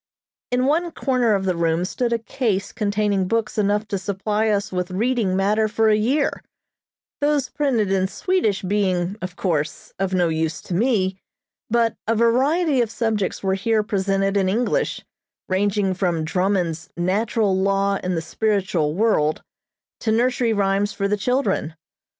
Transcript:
In one corner of the room stood a case containing books enough to supply us with reading matter for a year, those printed in Swedish being, of course, of no use to me, but a variety of subjects were here presented in English, ranging from Drummond's "Natural Law in the Spiritual World" to nursery rhymes for the children.